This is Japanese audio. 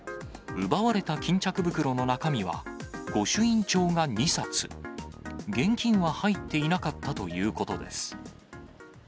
奪われたきんちゃく袋の中身は御朱印帳が２冊、現金は入っていなかったということです。